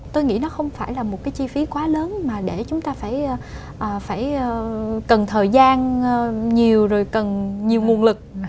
tôi nghĩ nó không phải là một cái chi phí quá lớn mà để chúng ta phải cần thời gian nhiều rồi cần nhiều nguồn lực